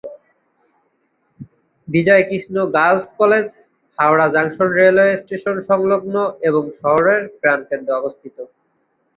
Bijoykrishna girls'' college Howrah junction railway station সংলগ্ন এবং শহরের প্রাণকেন্দ্রে অবস্থিত।